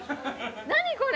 何これ？